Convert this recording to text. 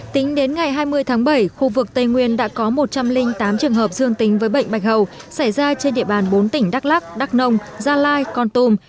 tính đến ngày hai mươi tháng bảy khu vực tây nguyên đã có một trăm linh tám trường hợp dương tính với bệnh bạch hầu xảy ra trên địa bàn bốn tỉnh đắk lắc đắk nông gia lai con tum